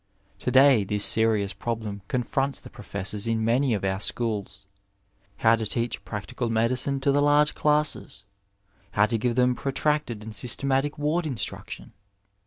To day this serious problem con fronts the professors in many of our schools — ^how to teach practical medicine to the large classes ; how to give them protracted and systematic ward instruction